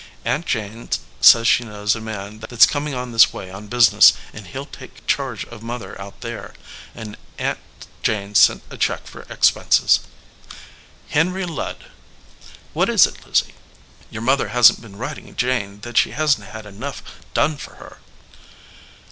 Aunt Jane says she knows a man that s coming on this way on business, and he ll take charge of Mother out there, and Aunt Jane sent a check for expenses." "Henry Ludd!" "What is it, Lizzie?" "Your mother hasn t been writing Jane that she hasn t had enough done for her